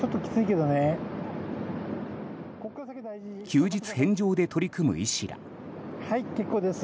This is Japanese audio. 休日返上で取り組む医師ら。